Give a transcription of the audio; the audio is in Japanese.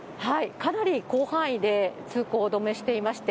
かなり広範囲で通行止めしていまして、